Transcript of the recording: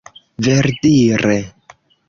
verdire